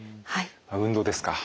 運動ですか。